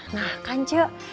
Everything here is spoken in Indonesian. nah kan cek